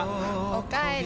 おかえり。